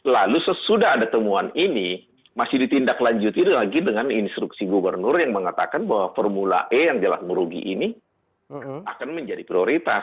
lalu sesudah ada temuan ini masih ditindaklanjuti lagi dengan instruksi gubernur yang mengatakan bahwa formula e yang jelas merugi ini akan menjadi prioritas